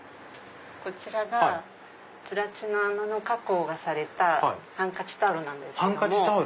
こちらがプラチナナノ加工がされたハンカチタオルなんです。